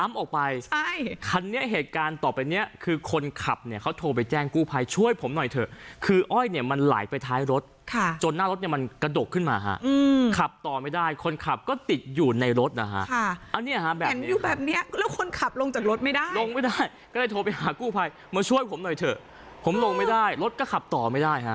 มาช่วยผมหน่อยเถอะผมลงไม่ได้รถก็ขับต่อไม่ได้ฮะ